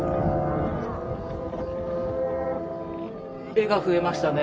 絵が増えましたね。